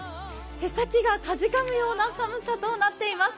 手先がかじかむような寒さとなっています。